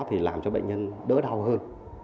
thì làm cho bệnh nhân đỡ đau hơn